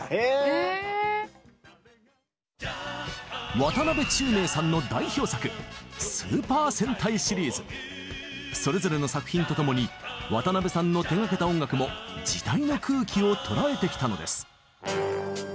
渡辺宙明さんの代表作それぞれの作品と共に渡辺さんの手がけた音楽も時代の空気を捉えてきたのです。